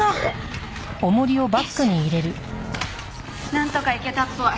なんとかいけたっぽい。